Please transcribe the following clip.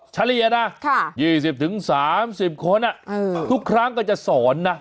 เฉลี่ยนะ๒๐๓๐คนทุกครั้งก็จะสอนนะ